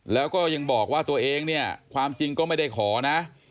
แล้วก็ยังบอกว่าตัวเองเนี่ยความจริงก็ไม่ได้ขอนะ